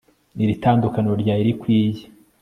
Iri tandukaniro ryari rikwiye